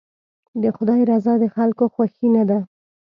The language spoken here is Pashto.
د خدای رضا د خلکو د خوښۍ نه ده.